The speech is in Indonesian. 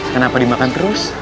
kenapa dimakan terus